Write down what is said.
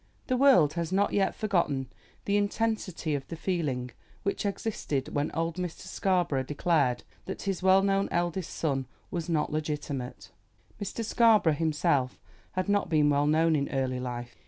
The world has not yet forgotten the intensity of the feeling which existed when old Mr. Scarborough declared that his well known eldest son was not legitimate. Mr. Scarborough himself had not been well known in early life.